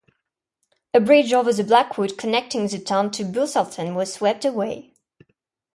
A bridge over the Blackwood connecting the town to Busselton was swept away.